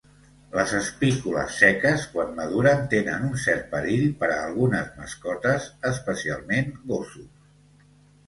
Les espícules seques quan maduren tenen un cert perill per a algunes mascotes, especialment gossos.